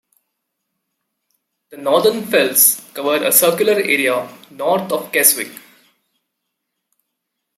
The Northern Fells cover a circular area north of Keswick.